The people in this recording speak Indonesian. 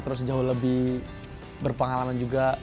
terus jauh lebih berpengalaman juga